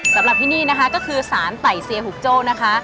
สำหรับที่นี่นะคะก็คือสารไต่เซียหุกโจ้นะคะ